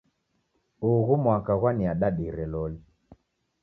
Ughu mwaka gwaniadadire loli.